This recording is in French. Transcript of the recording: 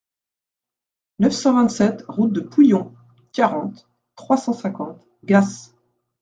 neuf cent vingt-sept route de Pouillon, quarante, trois cent cinquante, Gaas